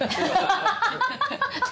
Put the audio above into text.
ハハハハ！